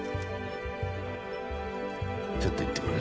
ちょっと行ってくるわ。